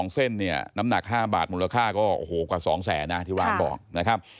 ๒เส้นเนี่ยน้ำหนัก๕บาทมูลค่าก็โอ้โหกว่า๒แสนนะที่ร้านบอกนะครับ